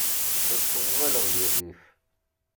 Ḥusseɣ uɣaleɣ di rrif.